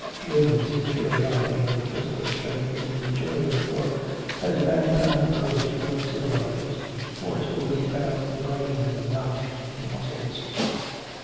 Women's inferiority in physical strength is immaterial, for, as mankind grows more civilised, force will be found in the brain and not in the muscles.'